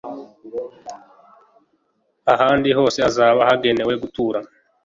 ahandi hose hazaba hagenewe gutura